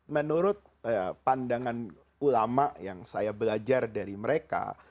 menurut pandangan ulama yang saya belajar dari mereka